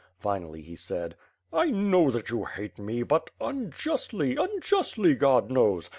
Finally, he said: "I know 'that you hate me, but unjustly, unjustly, God knows.